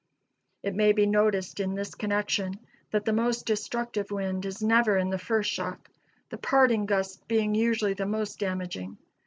It may be noticed in this connection, that the most destructive wind is never in the first shock, the parting gust being usually the most damaging.